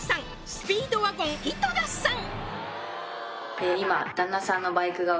スピードワゴン井戸田さん